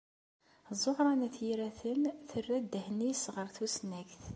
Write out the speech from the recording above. Ẓuhṛa n At Yiraten terra ddehn-nnes ɣer tusnakt.